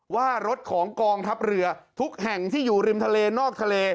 ว่ารถของกองทัพเรือทุกแห่งที่อยู่ริมทะเลนอกทะเล